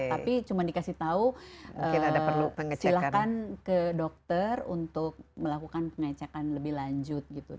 tapi cuma dikasih tahu silahkan ke dokter untuk melakukan pengecekan lebih lanjut gitu